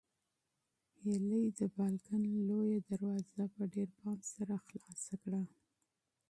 هیلې د بالکن لویه دروازه په ډېر پام سره پرانیستله.